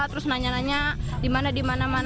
terus nanya nanya di mana di mana mana